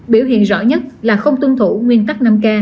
biểu hiện rõ nhất là không tuân thủ nguyên tắc năm k